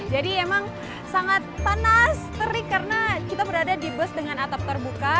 jadi emang sangat panas terik karena kita berada di bus dengan atap terbuka